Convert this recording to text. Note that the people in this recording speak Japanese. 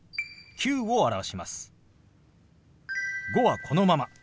「５」はこのまま。